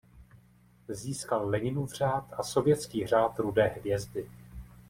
Získal Leninův řád a sovětský Řád rudé hvězdy.